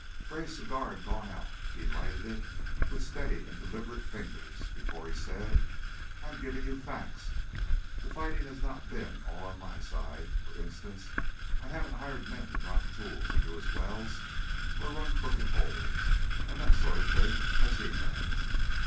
Gray's cigar had gone out; he lighted it with steady and deliberate fingers before he said: "I am giving you facts. The fighting has not been all on my side. For instance, I haven't hired men to drop tools in his wells or run crooked holes, and that sort of thing, as he has.